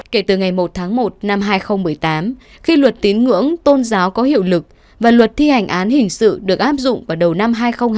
kể từ ngày một tháng một năm hai nghìn một mươi tám khi luật tín ngưỡng tôn giáo có hiệu lực và luật thi hành án hình sự được áp dụng vào đầu năm hai nghìn một mươi tám